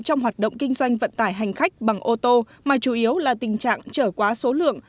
trong hoạt động kinh doanh vận tải hành khách bằng ô tô mà chủ yếu là tình trạng trở quá số lượng